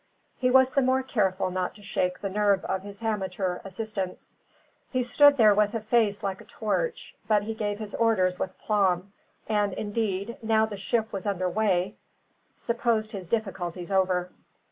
He was the more careful not to shake the nerve of his amateur assistants. He stood there with a face like a torch; but he gave his orders with aplomb; and indeed, now the ship was under weigh, supposed his difficulties over.